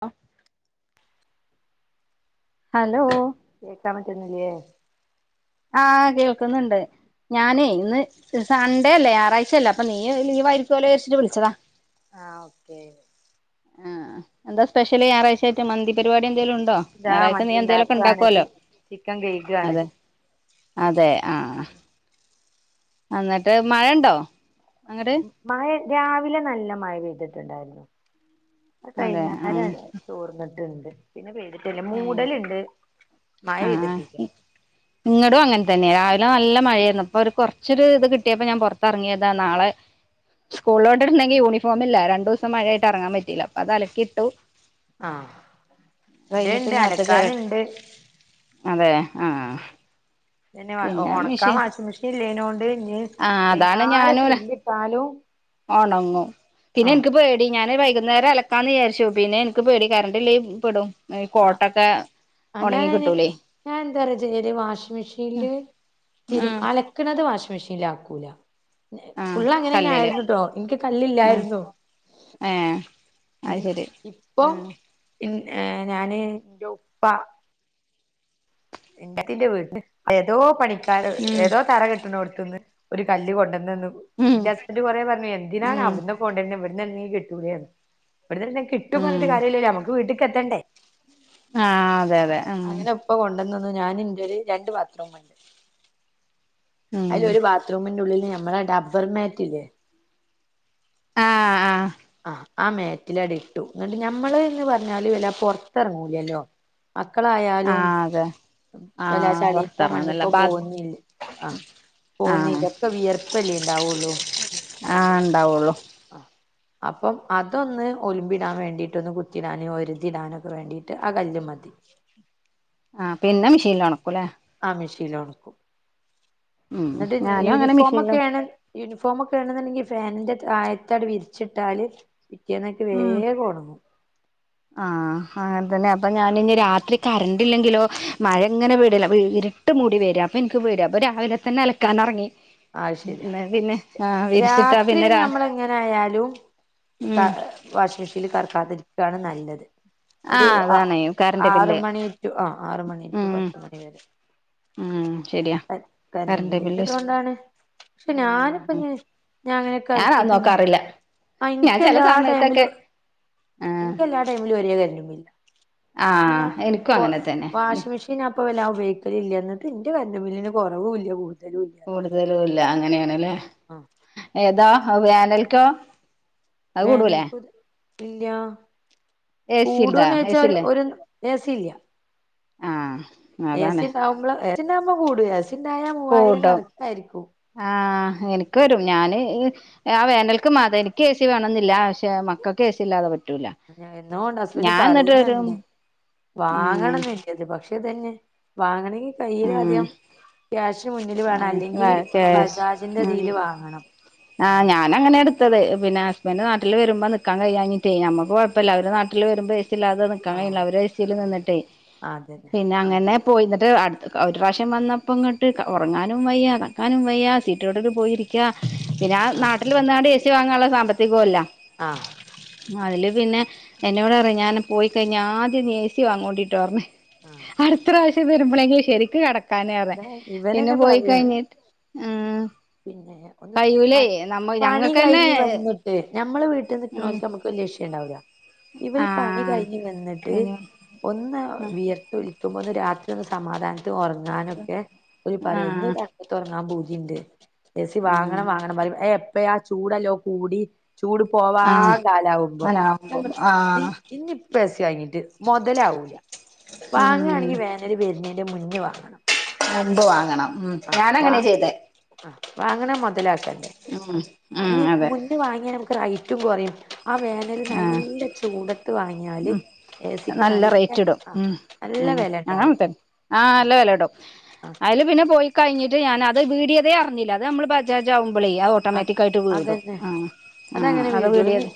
ആ ഹലോ കേൾക്കാൻ പറ്റുന്നില്ലേ ആഹ് കേൾക്കുന്നുണ്ട് ഞാനേ ഇന്ന് സൺഡേ അല്ലേ ഞായറാഴ്ചയല്ലേ അപ്പൊ നീ ലീവ് ആയിരിക്കൂലോ എന്ന് വിചാരിച്ചിട്ട് വിളിച്ചതാ ആഹ് ഓക്കെ ആഹ് എന്താ സ്പെഷ്യല് ഞായറാഴ്ച ആയിട്ട് മന്തി പരിപാടി എന്തേലും ഉണ്ടോ ഇതാ ഞായറാഴ്ച നീ മന്തി എന്തേലുമൊക്കെ ഉണ്ടാക്കാണ് ചി ഉണ്ടാക്കുവല്ലോ ചിക്കൻ കഴുകാണ് അതെ അതെ ആഹ് അന്നിട്ട് മഴ ഉണ്ടോ അങ്ങട്ട് മഴ രാവിലെ നല്ല മഴ പെയ്തിട്ടുണ്ടായിരുന്നു ഇപ്പൊ അതെ കഴിഞ്ഞു രാ ആഹ് ചോർന്നിട്ടുണ്ട് പിന്നെ പെയ്തിട്ടല്ല ഏഹ് മൂടലുണ്ട് മഴ ആഹ് പെയ്തിട്ടില്ല ഇങ്ങടും അങ്ങനെ തന്നെയാ രാവിലെ നല്ല മഴയായിരുന്നു അപ്പൊ ഒരു കുറച്ചൊരു ഇത് കിട്ടിയപ്പോ ഞാൻ പുറത്തിറങ്ങിയതാണ് നാളെ സ്കൂളിലോട്ട് ഇടണെങ്കി യൂണഫോംമില്ല രണ്ടു ദിവസം മഴ ആയിട്ട് ഇറങ്ങാൻ പറ്റയില്ല അപ്പോത് അലക്കിയിട്ടു ആഹ് കഴിഞ്ഞിപ്പ ഇതേണ്ട് ഞാത്ത കയറി അലക്കാന്ണ്ട് അതെ ആഹ് പിന്നെ ഒണക്കാൻ വാഷിംഗ് മെഷീൻ ഇല്ലേനോണ്ട് ഇനി ആഹ് അതാണ് വൈന്നേരം ഞാനും തിരുമ്പിട്ടാലും ഒണങ്ങും പിന്നെ എനക്ക് ആഹ് പേ ടി ഞാന് വൈകുന്നേരം അലക്കാന്ന് വിചാരിച്ചു പിന്നെ ഇനക്ക് പേടി കറണ്ടില്ലേ പെടും ഈ കോട്ടൊക്കെ ആ ഒണങ്ങി ഞാനയിന് കിട്ടൂലേ ഞാൻ എന്താറിയോ ചെയ്യല് വാഷിംഗ് മെഷീനില് തിരു ആഹ് അലക്കണത് വാഷിംഗ് മെഷീനീലാക്കൂല ആഹ് ഫുള്ള് അങ്ങനന്നെ കല്ലില് ആയിരുന്നുട്ടോ ഇനക്ക് ആഹ് കല്ലില്ലായിരുന്നു ഏഹ് അത് ഏഹ് ശരി ഇപ്പൊ ആഹ് പിന്നെ ഞാന് എന്റെ ഉപ്പ എംഗത്തിന്റെ വീട്ടില് ഏതോ പണിക്കാര് ഉം ഏതോ തറ കെട്ടണോടുത്ത്ന്ന് ഒരു കല്ല് കൊണ്ടുന്നൂന്ന് ഉം എന്റെ ഹസ്ബന്റ് കൊറെ പറഞ്ഞു എന്തിനാണ് ഉം അവിടുന്ന് കൊണ്ടെരുന്നെ ഇവിടന്നെങ്ങും കിട്ടൂലേന്ന് ഇവിടുന്ന് കിട്ടും ഉം പറഞ്ഞിട്ട് കാര്യോല്ലല്ലോ അമ്മക്ക് വീട്ടിൽക്ക് എത്തണ്ടേ ആഹ് അതെ അതെ ആഹ് ഇപ്പൊ കൊണ്ടന്നന്ന് ഞാനിന്റൊരു രണ്ട് ബാത്റൂമ്ണ്ട് ഇപ്പൊ ഉം അയിലൊരു ബാത്റൂമിന്റെ ഉള്ളില് ഞമ്മളെ ഡബ്ബർ മാറ്റില്ലേ ആഹ് ആഹ് ആഹ് ആഹ് മാറ്റിലാടി ഇട്ടു എന്നിട്ട് ഞമ്മള് എന്ന് പറഞ്ഞാല് വെല്ല പൊറത്തിറങ്ങൂലല്ലോ മക്കളായാലും ആഹ് അതെ വല്ല ആഹ് ചളിക്കോ പൊറത്തിറങ്ങുന്നില്ല മണ്ണിക്കോ ബാ പോവുന്നില്ല ആഹ് ആഹ് പോവുന്നില്ല ഒക്കെ വിയർപ്പല്ലേയുണ്ടാവുള്ളൂ ആഹ് ഒണ്ടാവുള്ളൂ അപ്പം അതൊന്ന് ഒലുമ്പിടാൻ വേണ്ടിട്ടൊന്ന് കുത്തിടാനോ ഒരുതിടാനും ഒക്കെ വേണ്ടിട്ട് ആഹ് കല്ല് മതി ആഹ് പിന്നെ മെഷീനിൽ ഒണക്കൂലാ ആഹ് മിഷീനിൽ ഒണക്കും ഉം എന്നിട്ട് ഞാനും അങ്ങനെ മെഷീനില് യൂണിഫോമൊക്കെയാണ് യൂണിഫോമൊക്കെ ആണെന്നുണ്ടെങ്കി ഫാനിന്റെ തായത്താട് വിരിച്ചിട്ടാല് പിറ്റേന്നേക്ക് ഉം വേഗൊണങ്ങും ആഹ് അങ്ങനെതന്നെ അപ്പൊ ഞാനിനി രാത്രി കരണ്ട് ഇല്ലെങ്കിലോ മഴ ഇങ്ങനെ പെടില്ല അപ്പോ ഇരി ഇട്ട് മൂടി വരിം അപ്പൊ ഇൻക്ക് പേടിയാ അപ്പൊ രാവിലെ തന്നെ അലക്കാൻ എറങ്ങി ആഹ് ശരിയാ പിന്നെ ആഹ് വിരിച്ചിട്ടാ രാത്രി പിന്നെ രാ ഞമ്മളെങ്ങനൊയാലും ഉം ക വാഷിംഗ്‌ മെഷീനിൽ കറക്കാതിരിക്കണതാണ് നല്ലത് ഒരു ആഹ് ആ അതാണ് കറണ്ട് ആറ് ബില്ല് മണിറ്റു ആഹ് ആറ് മണിറ്റു ഉം പത്ത് മണിവരെ ഉം ശരിയാ എ കറണ്ട് ബില്ല് കരണ്ടുബില്ലിന്റെതു കൊണ്ടാണ് പക്ഷെ ഞാനും അപ്പൊ ഉം ഞാൻ ഞങ്ങനെ ഞാനത് കളിക്കിട്ട നോക്കാറില്ല ആഹ് ഞാൻ ചില എനിക്കെല്ലാ സമയത്തൊക്കെ ടൈമിലും ആഹ് ഇനക്ക് എല്ലാ ടൈമിലും ഒരേ കര്ണ്ടുബില്ലാ പിന്നെ ആഹ് എനിക്കും പൊ അങ്ങനെ തന്നെ വാഷിം മെഷീൻ പിന്നെ അപ്പല്ല ആ ഉപയോഗിക്കലില്ല എന്നിട്ട് എന്റെ കര്ണ്ടുംബില്ലിന് കൊറവുല്ല കൂട്തലുല്ല കൂടുതലുംല്ല അങ്ങനെയണ്ല്ലേ ആ ഏതാ ഹവേനൽക്കോ വേനൽപ്പു ഇല്ല എ സി ഇണ്ടാ എ കൂടുന്നോയ്ച്ചാ സി ഒരു ഇല്ലേ ഒരു ഏസീ ല്ല ആഹ് ഏസി അതാണ് ഇണ്ടാവുമ്പോ ഏസി ഉണ്ടാവുമ്പോ കൂടു, ഏസിണ്ടായാൽ മൂവായിരം കൂടും കണക്കായിരിക്കും. ആഹ് എനിക്ക് വരും. ഞാന് ആ വേനൽക്ക് മാത എനിക്ക് ഏസി വേണംന്നില്ല പക്ഷെ മക്കൾക്ക് ഏസില്ലാതെ പറ്റൂല. ഞാൻ എന്നൊണ്ട് ഹസ്ബന്റ് ഞാൻ എന്നിട്ട് ഒരു പറയുന്നുണ്ട് ഉം വാങ്ങണംന്ന് പക്ഷെ ഇതന്നെ വാങ്ങണെങ്കിൽ ഉം കയ്യിലാധ്യം ക്യാഷ് മുന്നിൽ വേണം അല്ലെങ്കി ഈ ഉം ബജാജിന്റെതിയിൽ വാങ്ങണം. ആഹ് ഞാനങ്ങനെ എടുത്തത് പിന്നെ ഹസ്ബന്റ് നാട്ടിൽ വരുമ്പോ നിക് ക്കാൻ കഴിയാഞ്ഞിട്ടേ അമ്മക്ക് കുഴപ്പില്ല അവര് നാട്ടിൽ വരുമ്പ ഏസില്ലാതെ നി ക്കാൻ കഴില്ല ആഹ് അവര് ഏസിൽ നിന്നിട്ടേ അതന്നെ പിന്നെ അങ്ങനെ പോയി. എന്നിട്ട് അട്തെ ക ഒര് പ്രാവശ്യം വന്നപ്പോ ഇങ്ങട്ട് ക ഒറങ്ങാനും വയ്യ നടക്കാനും വയ്യ സിറ്റ് റ്റൊട്ടില് പോയിരിക്ക പിന്ന ആ ആഹ് നാട്ടില് വന്നാണ്ട് ഏ സി വാങ്ങാള്ള സാമ്പത്തികോല്ല. ആ അയ്ല് പിന്ന എന്നോട് പറയും ഞാന് പോയി കഴിഞ്ഞ ആദ്യം നി ഏ സി വാങ്ങോടി ട്ടോ പറഞ്ഞ്. അട്ത്ത പ്രാവശ്യം വര്മ്പളെങ്കി ശരിക്ക്‌ കടക്കാന് ഇതാ പറ്ഞ്ഞ് പിന്നെ ഇവരന്നെ പോയ് പറയും കയ്ഞ്ഞെട്ട് ഉം പിന്നെ ഒന്ന് കയ്യൂലേ പണ് നമ്മ പണി ഞങ്ങൾക്ക് തന്നെ കയ്ഞ്ഞ് വന്ന്ട്ട് ഞമ്മള് വീട്ടി ഉം നിക്ക്‌ണൊൽക്ക്‌ നമ്മക്ക് വല്യ വിശേണ്ടാവില്ല ഇവൽ പണി ആഹ് കയ്ഞ്ഞ് വന്നട്ട് പിന്നെ ഒന്ന് വിയർ ത്തൊലിക്കുമ്പോ ഒന്ന് രാത്രി ഒന്ന് സമാധാനത്തി ഒറങ്ങാനൊക്കെ ഒ ാര് പറയും ഒന്ന് ആഹ് രാ ത് ഒറങ്ങാം പൂതിണ്ട് ഏ സി ആഹ് വാങ്ങണം വാങ്ങണം പറയും എ പ്പയാ ചൂടല്ലേ ഒ കൂടി ചൂട് ആഹ് പോവാം കാലാവ്മ്പ അല്ല നാം പറ്ഞ്ഞ് ഇ ആഹ് ഇന്നിപ്പെ- പ്പ ഏ സി വാങ്ങിട്ട് മൊതലാവൂല ഉം വാങ്ങാണെങ്കി വേനല് വെരുന്നെന്റ മുന്നേ വാങ്ങണം. മുമ്പ് വാങ്ങണം ഉ ഞാനങ്ങനെയ ചെയ്തെ അ വാങ്ങണ മൊതലാക്കണ്ടേ [unintelligible] അന്ന് അതെ മുന്ന് വാങ്ങിയാ നമുക്ക് റൈറ്റും കൊറയും ആ വേനല് ആഹ് നല്ല ചൂടത് ത്ത് വാങ്ങിയാല് ഉം ഏസി ക്ക് നല്ല റേറ്റ് ഇടും അ ഉം നല്ല ഉം വെല അങ്ങനെ ഇണ്ടാവും. തന്നെ ആഹ് നല്ല വെലണ്ടാവും അയ്ല് പിന്ന പോയി കയ്ഞ്ഞട്ട് ഞാനത് വീടിയതെ അർഞ്ഞില്ല അത് നമ്മള് ബജാജ് ആവ്മ്പളേ അ ഒ അത് ഓട്ടോമാറ്റിക്കായിട്ട് വീടും. അതന്നെ അ ആ അത് വീടിയതി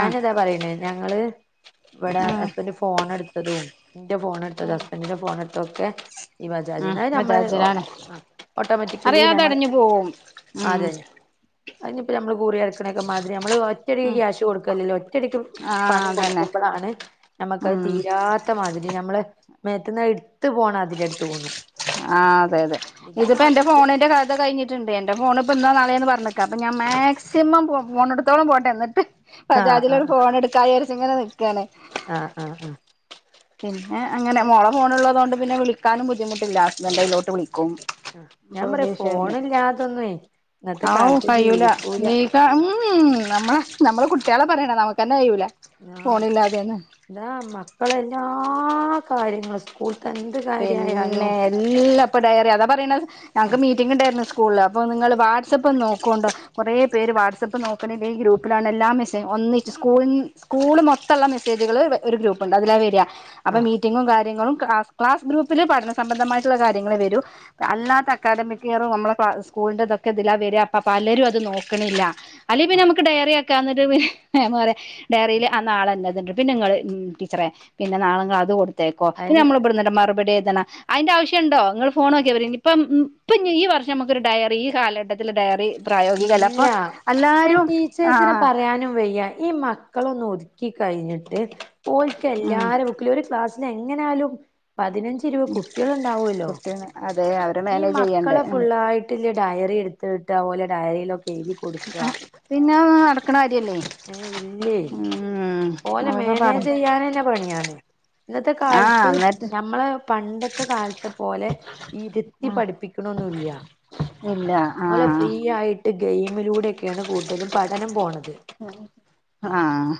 ആഹ് പറിണെ ഞങ്ങള് ഇവട ആഹ് ഹസ്ബന്റ് ഫോണെട്ത്തതും എൻ്റെ ഫോണെട്ത്തതും ഉം ഹസ്ബന്റിന്റ ഫോൺ എട്ത് ത്തൊക്കെ ഈ ആഹ് വജാജ്ന്ന അത് നമ്മള് ഓട്ട് ബജാജിലാണ് ഓട്ടോമാറ്റിക്കലി അറിയാതെ ഞമ്മള് അടഞ്ഞു പോവും ഉം അയ്നിപ്പ നമ്മള് കുറി അടക്കണെക്ക മാതിരി നമ്മള് ഒറ്റടിക്ക് ഉം ക്യാഷ് കൊട്ക്കല്ലല്ലോ ഒറ്റടിക്ക് ആഹ് പണം അതന്നെ കൊട്ക്കുമ്പൾ ളാണ് നമ്മ്ക്കത് ഉം തീരാത്ത മാതിരി നമ്മള് മേത്ത്ന്ന് അഹ് എട്ത്ത് പോണ മാതിരിയാടത് പോവുന്നു. ആഹ് അതെ അതെ ഇതിപ്പ എൻ്റെ ഫോണിന്റെ കഥ കയ്ഞ്ഞ് ട്ട്ണ്ട് എൻ്റെ ഫോണ് ഇപ്പ ഇന്നോ നാളെന്ന് പറഞ്ഞ്ക്ക. അപ്പ ഞാ മാക്സിമം പോ പോണട്ത്തോളം പോട്ടെ എന്നട്ട് ആഹ് ബജാജിലൊര് ആഹ് ഫോൺ എട്ക്കാ വിയാരിച്ച്‌ ഇങ്ങനെ നിക്കാണ് ആഹ് അഹ് പിന്നെ അങ്ങനെ മോള ഫോണ്ള്ളതൊണ്ട് പിന്നെ വിളിക്കാനും ബുദ്ധിമുട്ടില്ല ഹസ്ബന്റ അയ്ലോട്ട് വിളിക്കും അ അപ്പൊ ഞാൻ പറീം ഫോണില്ലാതൊന്ന് വെ ആവൂ കയൂല നീക്ക ഉം നമ്മള നമ്മള് കുട്ടികള പറയണം നമ്ക്കന്നെ കയൂല ഞാഹ് എന്താ മക്കളെല്ലാ കാര്യങ്ങൾ സ്കൂൾ തന്ന പിന്നെ എല്ലാപ്പ ഡയറി അതാ പറെണത് ഞങ്ങക്ക് ആഹ് മീറ്റിംഗ് ഇണ്ടാര്ന്നു സ്കൂൾല് അപ്പ നിങ്ങള് വാട്സ്അപ്പ് നോക്കോണ്ടോ കുറേ പേര് വാട്സആപ്പ് നോക്കണില്ല ഈ ഗ്രൂപ്പിലാണ് എല്ലാം മെസ്സേ ഒന്നിച്ച്‌ സ്കൂളിൻ സ്കൂള് മൊത്തള്ള മെസ്സേജ്കള് വ് ഒരു ഗ്രൂപ്പ്ണ്ട് അതിലാ വെര്യയ അപ്പ ആഹ് മീറ്റിങ്ങും കാര്യങ്ങളും ക അസ് ക്ലാസ്സ് ഗ്രൂപ്പില് പഠന സംബന്ധമായ്ട്ടുള്ള കാര്യങ്ങളെ വെരൂ അല്ലാത്ത അക്കാദമിക്കിയറും നമ്മള ക്ലാ സ്കൂൾന്റ ഇതൊക്കെ ഇതിലാ വെരാ അപ്പ പലരും അത് നോക്കണില്ല അല്ലെ പിന്ന ആഹ് നമക്ക് ഡയറിയാക്ക എന്നട്ട് പി മ്യാമ് പറയാ ഡയറില് ആ നാളെന്നത്ണ്ട് പിന്ന ഇങ്ങള് ടീച്ചറെ പിന്ന നാള നിങ്ങള് അത് കൊടുത്തെയ്ക്കോ പിന്ന അതിന് നമ്മള് ഇബ്ടെന്ന് മറുപടി എയ്തണ അയ്ന്റാവശ്യണ്ടോ നിങ്ങള് ഫോണോക്കിയ പൊരെ ഇനിപ്പം ഇപ്പ ഈ വർഷം നമ്ക്കൊരു ഡയറി ഈ കാലഘട്ടത്തില് ഡയറി പ്രായോഗികല്ല അപ്പൊ ഇല്ല ന്നെ എല്ലാരും ടീച്ചേഴ്സിന് ആഹ് പറയാനും വയ്യ ഈ മക്ക് ക്കളൊന്ന് ഒതുക്കി കയ്ഞ്ഞട്ട് ഓൽക്ക് ഉം എല്ലാര ബുക്കിലൊര് ക്ലാസ്സിനെങ്ങനാലും പതിനഞ്ച് ഇരുപ കുട്ടികള് ഇണ്ടാവ് അല്ലോ അതെ അവരെ ഈ മാനേജ് ചെയ്യണ്ടേ മക്കളെ ഉം ഫുള്ളായിട്ട്ല് ഡയറി എടുത്തിട്ട് ഡയറിയിലൊക്കെ എഴുതി കൊടുക്കും പിന്നെ നടക്കണ കാര്യല്ലേ ഏ ഇല്ലേ ഉം പോലെ അതൊക്കെ പറ മാനേജ് ചെയ്യാനന്നെ പണിയാണ് ഇന്നത്തെ ആഹ് കാലത്ത് എന്നിട്ട് നമ്മളെ പണ്ടത്തെ കാലത്തെ പോലെ ഇരുത്തി ആഹ് പഠിപ്പിക്കണന്നുല്ല ഇല്ല ഓലെ ഫ്രീ ആഹ് ആയിട്ട് ട്ട് ഗെയിമിലൂടെയൊക്കെയാണ് കൂടുതലും പഠനം പോകണുന്നത് ആഹ്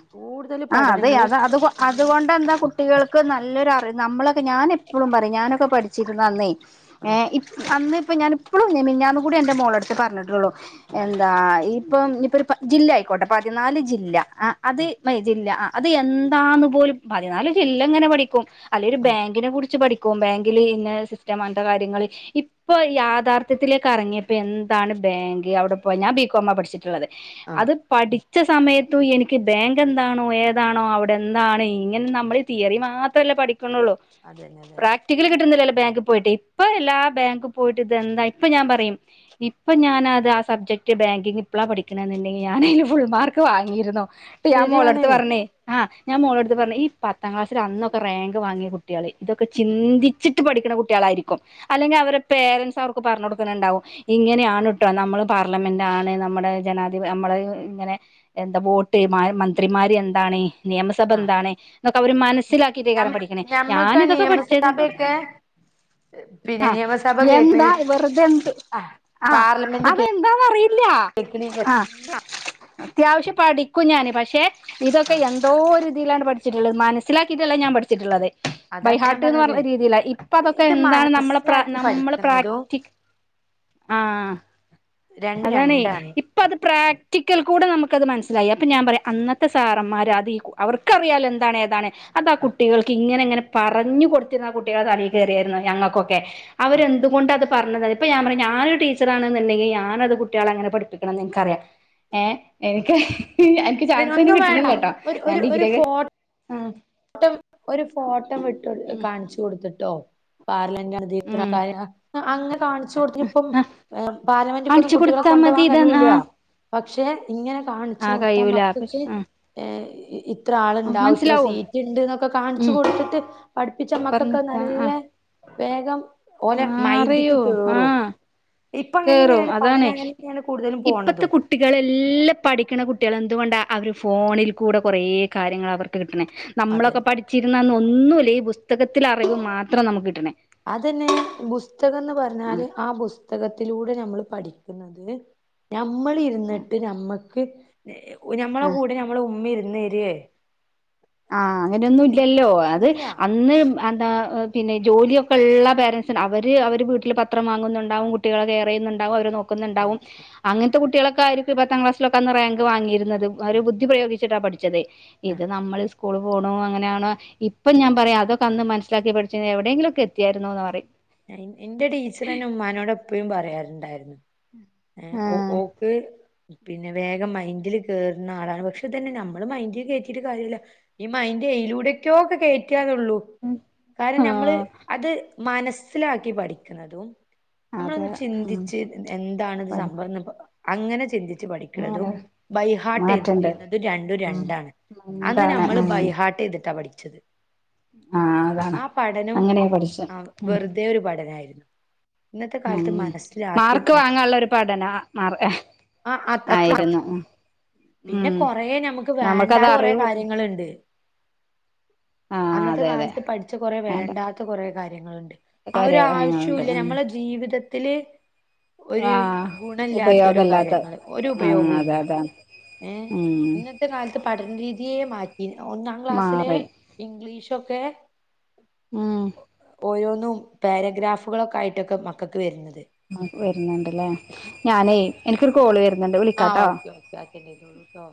ആഹ് അതെ പഠനങ്ങളും അത അത് അതുകൊണ്ട് എന്താ കുട്ടികൾക്ക് നല്ലൊരുറി നമ്മളൊക്കെ ഞാൻ എപ്പോഴും പറയും ഞാനൊക്കെ പഠിച്ചിരുന്നു അന്നേ ഏ ആഹ് ഇ അന്ന് ഇപ്പ ഞാനിപ്പോഴും മിഞാന്ന് കൂടി എന്റെ മോള അടുത്ത് പറഞ്ഞിട്ടുള്ളു എന്താ ഇപ്പം ഇപ്പൊ ജില്ലായി കോട്ടപ്പാത്തി പതിനാല് ജില്ല ആ അത് ആഹ് ജില്ല ആ അത് എന്താന്ന് പോലും പതിനാല് ജില്ല ഇങ്ങനെ പഠിക്കും അല്ലെ ഒരു ആഹ് ബാങ്കിനെ കുറിച്ച് പഠിക്കും ബാങ്കിൽ ഇന്ന സിസ്റ്റം അങ്ങനെ ത്തെ കാര്യങ്ങളിൽ ഇപ്പൊ യാഥാർത്ഥ്യത്തിലേക്ക് ഇറങ്ങിയപ്പോ എന്താണ് ബാങ്ക് അവിടെ പോ ഞാൻ ബികോമ പഠിച്ചിട്ടുള്ളത് ആഹ് ആഹ് അത് പഠിച്ച സമയത്തും എനിക്ക് ബാങ്ക് എന്താണോ ഏതാണോ അവിടെ എന്താണ് ഇങ്ങനെ നമ്മൾ തിയറി മാത്രമല്ലേ പഠിക്കണള്ളൂ അതന്നെ അതന്നെ പ്രാക്ട കിട്ടുന്നില്ലല്ലോ ബാങ്ക് പോയിട്ട് ഇപ്പൊ എല്ലാ ബാങ്ക് പോയിട്ട് ഇത് എന്താ ഇപ്പൊ ഞാൻ പറയും ഇപ്പൊ ഞാൻ അത് ആ സബ്ജക്ട് ബാങ്കിങ് ഇപ്പളാ പഠിക്കണ എന്നുണ്ടെങ്കിൽ ഞാനും ഫുൾമാർക്ക് വാങ്ങിയിരുന്നു ട്ട് ഞൻ ശരിയാണ് മോളെടുത്ത് പറഞ്ഞേ ആഹ് ഞൻ മോളെടുത്ത് പറഞ്ഞ ഈ പത്താം ക്ലാസ്സിൽ അന്നൊക്കെ റാങ്ക് വാങ്ങിയ കുട്ടികളെ ഇതൊക്കെ ചിന്തിച്ച് ചിട്ടു പഠിക്കുന്ന കുട്ടികളായിരിക്കും അല്ലെങ്കിൽ അവരുടെ പേരൻറ്സ് അവർക്ക് പറഞ് കൊടുക്കുന്നുണ്ടാവും ഇങ്ങനെയാണ് ട്ടോ നമ്മള് പാർലമെന്റ് ആണ് നമ്മുടെ ജനാധിപ നമ്മള് ഇങ്ങനെ എന്താ വോട്ട് മന്ത്രിമാര് എന്താണ് നിയമസഭ ആഹ് എന്താണ് ഇതോക്കെ അവര് മനസ്സിലാക്കിട്ടേ ഞം കാരം പഠിക്ണേ ഞാന് ഞമ്മക്കാ ഇതൊക്കെ പഠിച്ചത് നിയമസഭയൊക്കെ പിന്നെ ആഹ് നിയമസഭ കേക്ക് എന്താ വെറ്തെ എന്ത്‌ ആഹ് ആഹ് പാർലമെന്റ് അതെന്താന്നറിയില്ല കേക്ക്ണ് ആഹ് എല്ലാ അത്യാവശ്യം പഠിക്കും ഞാന് പക്ഷെ ഇതൊക്കെ ആഹ് എന്തോ ഒരു തിലാണ് പട് ച്ട്ട്ള്ളത് മനസ്സിലാക്കിട്ടല്ല ഞാൻ പഠിച്ചിട്ടുള്ളത് അതാ ഞാൻ ബൈഹാർട്ട്ന്ന് പറഞ്ഞത് പർഞ്ഞ രീതിയിലായി ഇപ്പ അതൊക്കെ ഇത് എന്താണ് നമ്മളെ പ്ര മനസ്സിലാക്കി നമ്മള് പഠിക്കുന്നതും പ്രാക്ടി ആഹ് രണ്ടും അതാണെ രണ്ടാണ്. ഇപ്പത് പ്രാക് ഒരിക്കൽ കൂടെ നമ്മക്കത് മനസ്സിലായി അപ്പ ഞാൻ പറയാ അന്നത്തെ സാറന്മാര് അത് ഈ അവർക്കറിയാലോ എന്താണ് ഏതാണ് അതാ ആഹ് കുട്ടികൾക്ക് ഇങ്ങനെ ഇങ്ങനെ പറഞ്ഞു കൊടുത്തി ആഹ് കുട്ടികളെ തലേ കേറിയായിരുന്നു ഞങ്ങക്കൊക്കെ ആഹ് അവരെന്തു കൊണ്ട് അത് പർഞ്ഞത് ഇപ്പ ഞാൻ പറയാ ഞാനൊരു ടീച്ചറാണെന്നുണ്ടെങ്കി ഞാനത് കുട്ട്യാളെ അങ്ങനെ പഠിപ്പിക്കണം എന്ന് എനിക്കറിയാ ഏഹ് എനിക്ക് എനിക്ക് ഇതിന് ചാൻസ് അയിന് ഒന്നും വേണ്ട കിട്ടണില്ലട്ടോ ഒരു ഞാൻ ഒരു ഒരു ഡിഗ്രിയൊക്കെ ഫോ ഉം ട്ടം ഒരു ഫോട്ടോ വിട്ടു ഉം കാണിച്ചു കൊടുത്ത്ട്ടോ പാർല ഉം ഇത്രക്കാര്യ അങ്ങനെ കാണിച്ചു കൊടുത്ത്ട്ട് ഇപ്പം ആ പാലമെന്റ്ക്കൊന്നും കാണിച്ചു കുട്ടികളെ കൊടുത്താ കൊണ്ടോകാൻ മതി ഇതാ ആ കഴിയൂല പക്ഷെ ഇങ്ങനെ കാണിച്ചു ഴിയൂല പക്ഷെ ഏഹ് ഇത്ര ആള്ണ്ടാവും ഇത്ര സീറ്റ് ഇണ്ട്ന്നൊക്കെ കാണിച്ചു ഉം കൊടുത്തിട്ട് പഠിപ്പിച്ച് പറഞ്ഞ് മക്കക്ക് കൊടുത്താ നല്ല ആ വേഗം ഓലെ ആഹ് മൈന്റ്ക്ക് അറിയോ കേറും ആഹ് ഇപ്പ കേറും ഇങ്ങനെന്നെണ് അതാണ് പഠനം അങ്ങനെന്നെണ് കൂടുതലും പോണത് ഇപ്പത്തെ കുട്ടികളെല്ലാം പഠിക്ണ കുട്ടികളാ എന്തു കൊണ്ടാ അവർ ഫോണിൽ കൂടെ കുറേ കാര്യങ്ങൾ അവർക്ക് കിട്ട്ണ് അതെ നമ്മളൊക്കെ പഠി ച്ചിരുന്നന്ന് ഒന്നുല്ല ഈ പുസ്തകത്തിലെ അറിവ് മാത്രം നമുക്ക് കിട്ട്ണേ അതന്നെ പുസ്തകംന്ന് പർഞ്ഞാല് ആഹ് പുസ്തകത്തിലൂടെ നമ്മൾ പഠി ക്ക്ന്നതില് നമ്മള് ആഹ് ഇരുന്നിട്ട് നമ്മക്ക് നമ്മളെ ആ കൂടെ മ്മളെ ഉമ്മി ഇര്ന്നേരെ ആഹ് അങ്ങനെന്നും ഇല്ലല്ലോ അത് ഇല്ല അന്ന് എന്താ പിന്നെ ജോലിയൊക്കെ ഇള്ള പേരൻസും അവര് അവര് വീട്ടില് പത്രം വാങ്ങുന്നുണ്ടാവും മു കുട്ടികളെ കേറയുന്നുണ്ടാവും അവര് ആ നോക്കുന്നുണ്ടാവും അങ്ങൻത്തെ കുട്ടികളോക്കെ ആയിരിക്കും പത്താം ക്ലാസ്സിലോക്കെ അന്ന് റാങ്ക് വാങ്ങിയിരുന്ന ഒരു ബുദ്ധി പ്രയോഗിച്ചിട്ടാ പഠിച്ചത് ആ ഇത് നമ്മള് സ്കൂള് പോണു അങ്ങനെയാണോ ഇപ്പം ഞാൻ പറയാ അതൊക്കന്ന് മനസിലാക്കി പഠിച്ച്ണെ എവിടെങ്കിലോക്കെ എത്തിയെരുന്നു എന്ന് പറയും ഇന്റെ ടീച്ചറന്നേ ഉമ്മാനോട് എപ്പഴും പറയാറുണ്ടായിരുന്നു ഏഹ് ആഹ് ഓഹ് ക്ക് പിന്നെ വേഗം മൈന്റ്ല് കേറ്ണ ആളാണ് പക്ഷെ ഇതന്നെ നമ്മള് മൈന്റ്ല് കേറ്റിട്ട് കാര്യല്ല ഇമ്മ ഇന്റെ എയ്ലൂടെക്കോ കിട്ടി ക്കാനോള്ളൂ കാരണം നമ്മള് ആഹ് അത് മനസ്സിലാക്കി പഠിക്ക്ണതും അതെ നമ്മളൊന്ന് ഉം ചിന്തിച്ച് എന്താണ്ത് പഠി സംഭവം അങ്ങനെ ചിന്തി ച്ച് പഠിക്ക്ണതും അങ്ങനെ ബൈഹാർട്ട് എ മാറ്റണ്ട് ചെയ്യുന്നത് രണ്ടും ഉം രണ്ടാണ് അന്ന് എന്താണ് നമ്മള് ഉം ബൈഹാർട്ട് ചെയ്തിട്ടാ പഠിച്ചത് ആഹ് അതാണ് ആഹ് പഠനം അങ്ങനെയാ പഠിച്ചെ ആഹ് ഉം വെറുതെ ഒരു പഠനായിരുന്നു ഇന്നത്തെ മ് കാലത്ത് മനസ്സിലാക്കി മാർക്ക് വാങ്ങാള്ളെ ഒരു പഠന മാർ ആഹ് [unintelligible] ആയിരുന്നു പിന്നെ ഉം കൊറേ നമ്മക്ക് നമുക്കത് വേണ്ടാത്ത കൊറേ അറിവ് കാര്യങ്ങള്ണ്ട് ആഹ് അന്നത്തെ അതെ അതെ കാലത്ത് പഠിച്ച കുറെ വേണ്ട വേണ്ടാത്ത കോറേ കാര്യങ്ങള്ണ്ട് ആഹ് ഒരു കാര്യങ്ങളുണ്ട് ആവശ്യവുല്ല ഉം നമ്മടെ ജീവിതത്തില് ഒരു ആഹ് ഗുണല്ലാത്തരോ ഉപയോഗല്ലാത്ത കാര്യങ്ങള് ഒരു ആഹ് അതെ ഉപയോഗവുംല്ല അതാണ് ഉം. ഇന്നത്തെ കാലത്ത് പഠന രീതിയെ മാറ്റി ഒന്നാം ക്ലാസ്സിലെ മാറി ഇംഗ്ലീഷൊക്കെ ഉം ഓരോന്നും പാരഗ്രാഫുകളൊക്കെ ആയിട്ടൊക്കെ മക്കൾക്ക് വരുന്നത് വരുന്നുണ്ട്ല്ലേ ഞാനേ എനിക്കൊരു കോള് വരുന്നുണ്ട് ആ വിളിക്കാട്ടോ ഓക്കെ അറ്റൻഡ് ചെയ്തോളു ട്ടോ